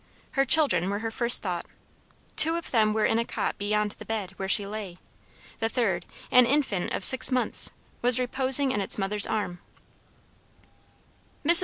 Her children were her first thought. Two of them were in a cot beyond the bed, where she lay; the third, an infant of six months, was reposing in its mother's arms. Mrs.